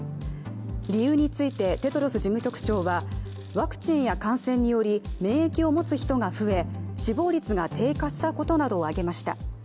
理由についてテドロス事務局長は、ワクチンや感染により免疫を持つ人が増え、死亡率が低下したことなどをあげました。